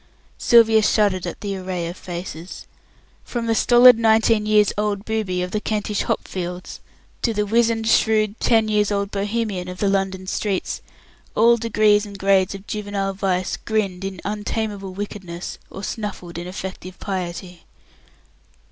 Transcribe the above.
Sylvia shuddered at the array of faces. From the stolid nineteen years old booby of the Kentish hop fields, to the wizened, shrewd, ten years old Bohemian of the London streets, all degrees and grades of juvenile vice grinned, in untamable wickedness, or snuffed in affected piety.